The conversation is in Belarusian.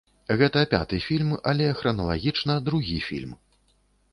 Гэта пяты фільм, але храналагічна другі фільм.